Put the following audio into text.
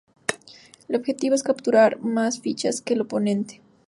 El objetivo es capturar más fichas que el oponente.